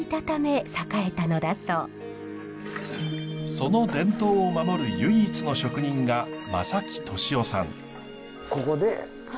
その伝統を守る唯一の職人が正木竣雄さん。